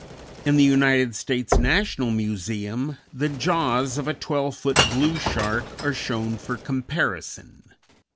In the United States National Museum, the jaws of a twelve foot blue shark are shown for comparison.